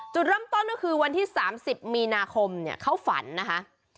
จุดเริ่มต้นก็คือวันที่๓๐มีนาคมเขาฝันนะคะ